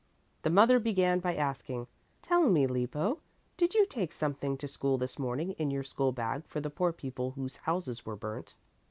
The mother began by asking, "Tell me, Lippo, did you take something to school this morning in your school bag for the poor people whose houses were burnt?"